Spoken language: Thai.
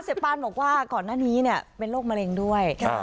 ปานบอกว่าก่อนหน้านี้เป็นโรคมะเร็งด้วย